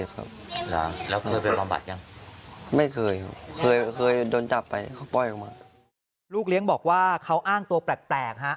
มาวันเมื่อก่อนเขาเช็บยาไหม